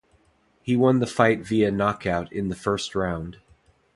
He won the fight via knockout in the first round.